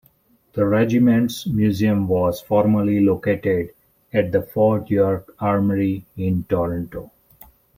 The regiment's museum was formerly located at the Fort York Armoury in Toronto.